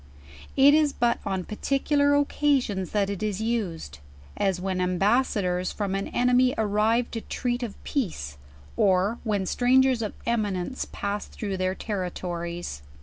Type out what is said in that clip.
It is but on particular oc casions that it is used: as when ambassadors from an enemy arrive to treat of pence, or v\hen Grangers of eminence pass through their territories.